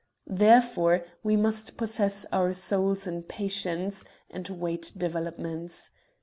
Therefore, we must possess our souls in patience and wait developments.